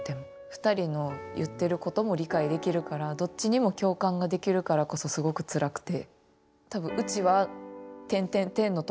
２人の言っていることも理解できるからどっちにも共感ができるからこそすごくつらくて。